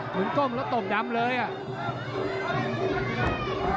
ก้มแล้วตบดำเลยอ่ะ